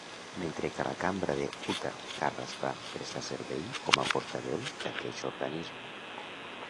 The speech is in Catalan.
Mentre que a la Cambra de Utah, Karras va prestar servei com a portaveu d'aqueix organisme.